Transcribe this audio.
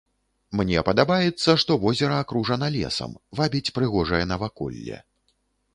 Мне падабаецца, што возера акружана лесам, вабіць прыгожае наваколле.